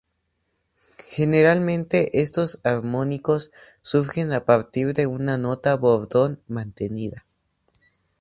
Generalmente, estos armónicos surgen a partir de una nota bordón mantenida.